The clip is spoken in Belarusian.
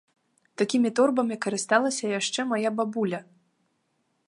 Такімі торбамі карысталася яшчэ мая бабуля!